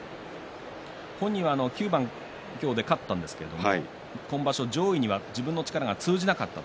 本人は９番今日、勝ったんですが上位には自分の力が通じなかった。